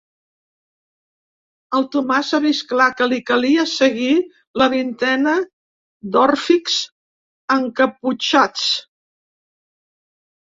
El Tomàs ha vist clar que li calia seguir la vintena d'òrfics encaputxats.